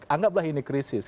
anggaplah ini krisis